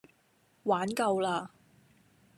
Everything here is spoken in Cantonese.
玩夠啦